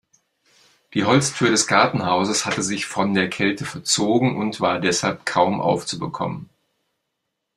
Die Holztür des Gartenhauses hatte sich von der Kälte verzogen und war deshalb kaum aufzubekommen.